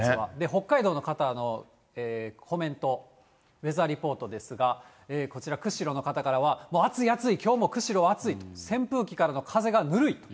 北海道の方のコメント、ウェザーリポートですが、こちら釧路の方からは暑い、暑い、きょうも釧路は暑い、扇風機からの風がぬるい。